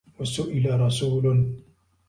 وَسُئِلَ رَسُولُ